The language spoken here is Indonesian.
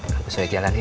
kang kusoy jalan ya